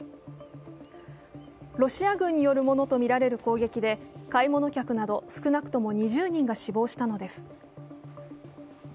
ロシア軍によるものとみられる攻撃で買い物客など少なくとも２０人が死亡したのです。